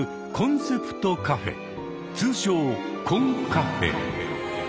通称コンカフェ。